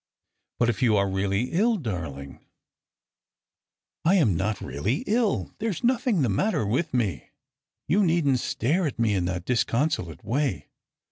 " But if you are really ill, darling." _" I am not really ill ; there is nothing the matter with me. You needn't stare at me in that disconsolate way.